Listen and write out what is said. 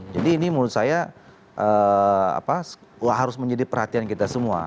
jadi ini menurut saya harus menjadi perhatian kita semua